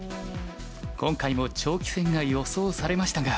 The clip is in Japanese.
今回も長期戦が予想されましたが。